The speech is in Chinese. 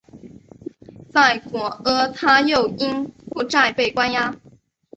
在果阿他又因负债被关押。